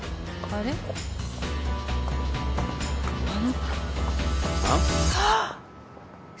ああ。